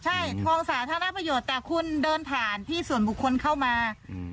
ใช่ทองสาธารณประโยชน์แต่คุณเดินผ่านที่ส่วนบุคคลเข้ามา